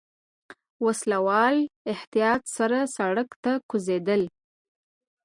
وسله والو احتياط سره سړک ته کوزېدل.